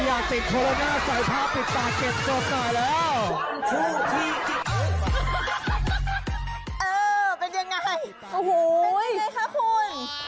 โอโหเป็นอย่างไรค่ะคุณ